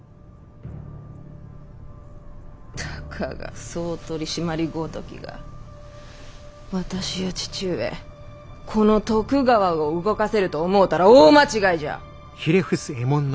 たかが総取締ごときが私や父上この徳川を動かせると思うたら大間違いじゃ！